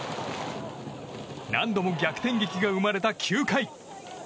何度も逆転劇が生まれた９回。